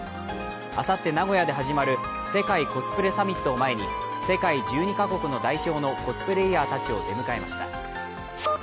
あさって名古屋で始まる世界コスプレサミットを前に世界１２か国の代表のコスプレーヤーたちを出迎えました。